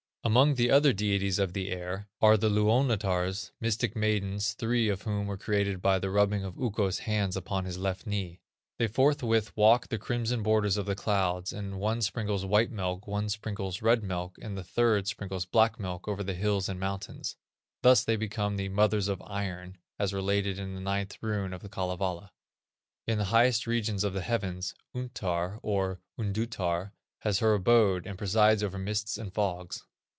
Among the other deities of the air are the Luonnotars, mystic maidens, three of whom were created by the rubbing of Ukko's hands upon his left knee. They forthwith walk the crimson borders of the clouds, and one sprinkles white milk, one sprinkles red milk, and the third sprinkles black milk over the hills and mountains; thus they become the "mothers of iron," as related in the ninth rune of The Kalevala. In the highest regions of the heavens, Untar, or Undutar, has her abode, and presides over mists and fogs.